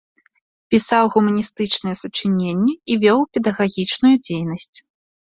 Пісаў гуманістычныя сачыненні і вёў педагагічную дзейнасць.